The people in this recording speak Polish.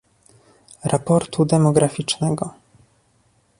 raportu demograficznego